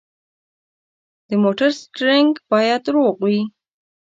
د موټر سټیرینګ باید روغ وي.